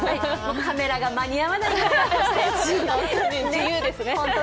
カメラが間に合わないですね。